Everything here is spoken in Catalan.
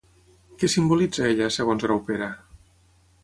Què simbolitza ella, segons Graupera?